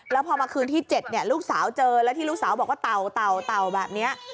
แล้วพอมาคืนที่๗ลูกสาวเจอแล้วที่ลูกสาวบอกว่าเต่าแบบนี้